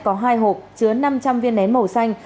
có hai hộp chứa năm trăm linh viên nén màu xanh